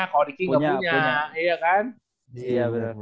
kalau dikita gak punya